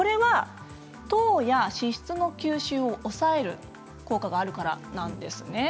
糖や脂質の吸収を抑える効果があるからなんですね。